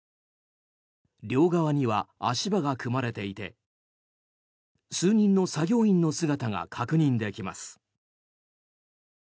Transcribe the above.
両側には足場が組まれていて数人の作業員の姿が確認できます。